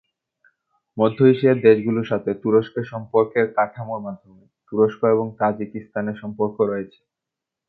মধ্য এশিয়ার দেশগুলোর সাথে তুরস্কের সম্পর্কের কাঠামোর মাধ্যমে, তুরস্ক এবং তাজিকিস্তানের সম্পর্ক রয়েছে।